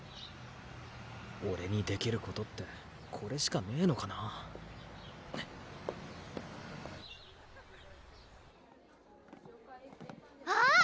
オレにできることってこれしかねぇのかなあーっ！